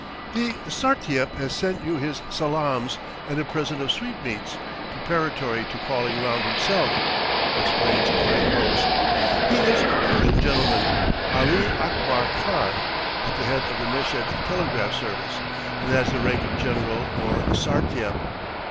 "The Sartiep has sent you his salaams and a present of sweetmeats, preparatory to calling round himself," explains mine host; "he is a Persian gentleman, Ali Akbar Khan, at the head of the Meshed telegraph service, and has the rank of general or Sartiep."